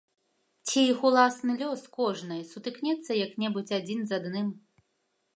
Ці іх уласны лёс, кожнай, сутыкнецца як-небудзь адзін з адным?